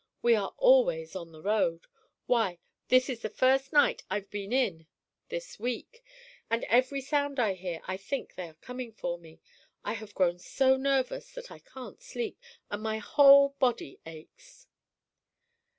We are always on the road. Why, this is the first night I've been in this week, and every sound I hear I think they are coming for me. I have grown so nervous that I can't sleep, and my whole body aches.